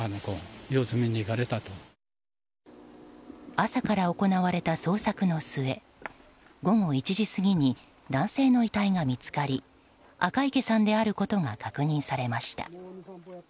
朝から行われた捜索の末午後１時過ぎに男性の遺体が見つかり赤池さんであることが確認されました。